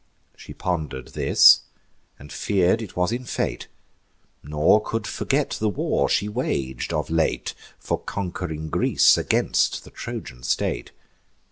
She ponder'd this, and fear'd it was in fate; Nor could forget the war she wag'd of late For conqu'ring Greece against the Trojan state.